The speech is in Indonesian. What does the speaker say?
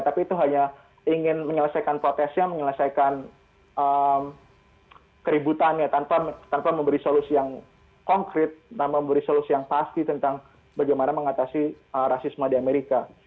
tapi itu hanya ingin menyelesaikan protesnya menyelesaikan keributannya tanpa memberi solusi yang konkret tanpa memberi solusi yang pasti tentang bagaimana mengatasi rasisme di amerika